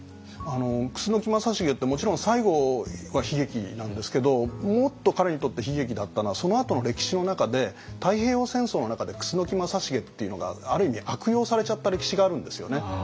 楠木正成ってもちろん最後は悲劇なんですけどもっと彼にとって悲劇だったのはそのあとの歴史の中で太平洋戦争の中で楠木正成っていうのがある意味悪用されちゃった歴史があるんですよね。